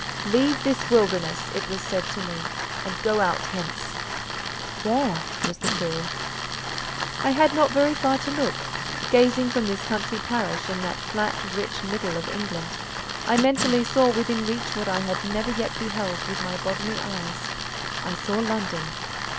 "Leave this wilderness," it was said to me, "and go out hence." "Where?" was the query. I had not very far to look; gazing from this country parish in that flat, rich middle of England—I mentally saw within reach what I had never yet beheld with my bodily eyes: I saw London.